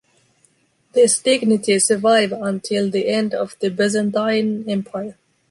This dignity survived until the end of the Byzantine Empire.